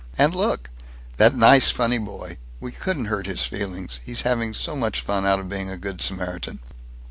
"And look that nice funny boy. We couldn't hurt his feelings. He's having so much fun out of being a Good Samaritan."